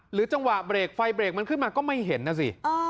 จังหวะเบรกไฟเบรกมันขึ้นมาก็ไม่เห็นนะสิ